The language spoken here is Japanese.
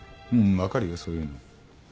分かるよそういうの。